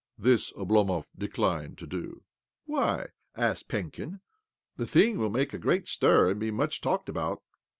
This Oblomov declined to do. " Why ?" asked Penkin. " The thing will make a great stir and be much talked about."